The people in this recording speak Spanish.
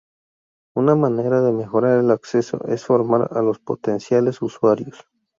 Una manera de mejorar el acceso es formar a los potenciales usuarios.